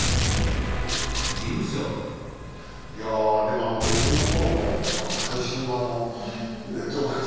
いやでもあの五重塔の耐震のあのドーナツ。